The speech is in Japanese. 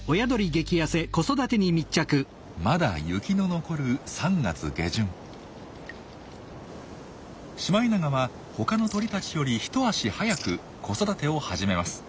まだ雪の残るシマエナガは他の鳥たちより一足早く子育てを始めます。